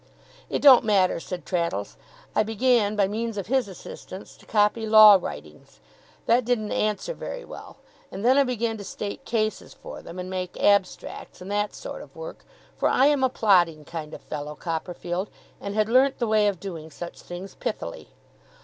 'It don't matter,' said Traddles. 'I began, by means of his assistance, to copy law writings. That didn't answer very well; and then I began to state cases for them, and make abstracts, and that sort of work. For I am a plodding kind of fellow, Copperfield, and had learnt the way of doing such things pithily.